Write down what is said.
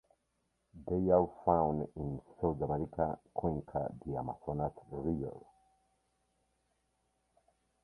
They are found in Sudamerica: cuenca the Amazonas River.